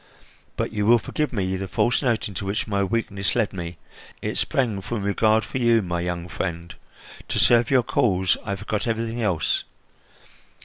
But you will forgive me the false note into which my weakness led me; it sprang from regard for you, my young friend. To serve your cause, I forgot everything else.